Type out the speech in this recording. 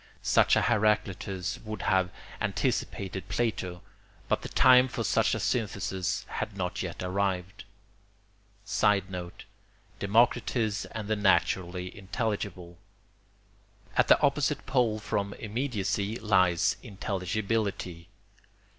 Such a Heraclitus would have anticipated Plato; but the time for such a synthesis had not yet arrived. [Sidenote: Democritus and the naturally intelligible.] At the opposite pole from immediacy lies intelligibility.